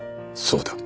そうだ。